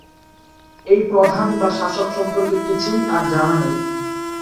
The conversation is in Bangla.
এই প্রধান বা শাসক সম্পর্কে কিছুই আর জানা নেই।